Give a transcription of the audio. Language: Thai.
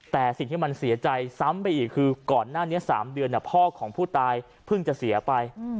แต่สิ่งที่มันเสียใจซ้ำไปอีกคือก่อนหน้านี้๓เดือนพ่อของผู้ตายเพิ่งจะเสียไป